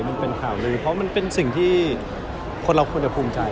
และว่าตัวสร้างแม่บงนเราไม่เป็นคนที่แล้งแฉะขวาจัง